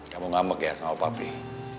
kamu ngambek ya sama opa pih